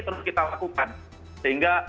terus kita lakukan sehingga